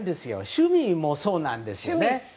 趣味もそうなんですね。